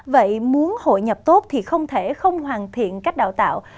vậy muốn hội nhập tốt thì không thể không hoàn thiện cách đào tạo